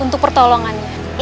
mereka merupakan kuliah